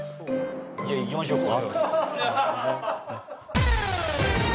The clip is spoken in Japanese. じゃあ行きましょうか。